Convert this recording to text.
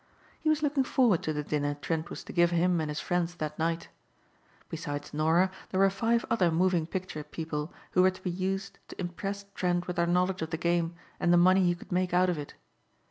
He was looking forward to the dinner Trent was to give him and his friends that night. Besides Norah there were five other moving picture people who were to be used to impress Trent with their knowledge of the game and the money he could make out of it.